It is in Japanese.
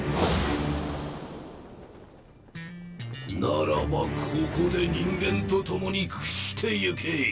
ならばここで人間と共に朽ちてゆけ！